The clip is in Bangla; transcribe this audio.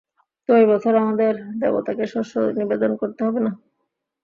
তো এই বছর আমাদের দেবতাকে শস্য নিবেদন করতে হবে না।